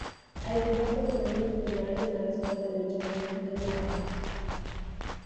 È ricordato come l'ultimo duello della storia del giornalismo italiano.